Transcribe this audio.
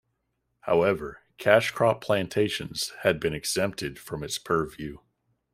However, cash crop plantations had been exempted from its purview.